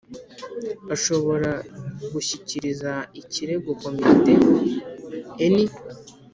Ashobora gushyikiriza ikirego komite any